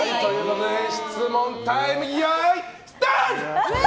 質問タイム、スタート！